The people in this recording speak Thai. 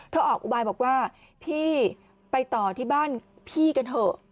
ออกอุบายบอกว่าพี่ไปต่อที่บ้านพี่กันเถอะ